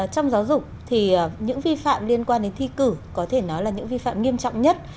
trong giáo dục thì những vi phạm liên quan đến thi cử có thể nói là những vi phạm nghiêm trọng nhất